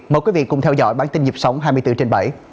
mời quý vị cùng theo dõi bản tin nhịp sống hai mươi bốn trên bảy